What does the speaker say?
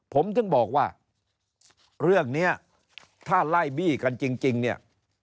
ผมถึงบอกว่าเรื่องนี้ถ้าไล่บี้กันจริงเนี่ย